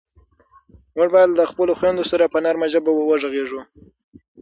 موږ باید له خپلو خویندو سره په نرمه ژبه غږېږو.